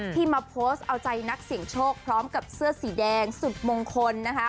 ที่มาโพสต์เอาใจนักเสี่ยงโชคพร้อมกับเสื้อสีแดงสุดมงคลนะคะ